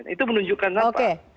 itu menunjukkan apa